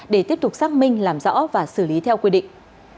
để tiếp tục xác minh làm rõ và xử lý theo quy định